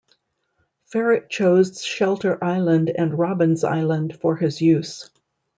Farret chose Shelter Island and Robins Island for his use.